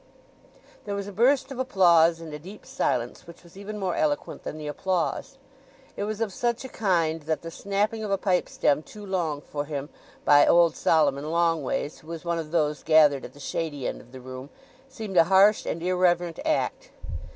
There was a burst of applause, and a deep silence which was even more eloquent than the applause. It was of such a kind that the snapping of a pipe stem too long for him by old Solomon Longways, who was one of those gathered at the shady end of the room, seemed a harsh and irreverent act.